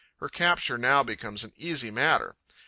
Her capture now becomes an easy matter.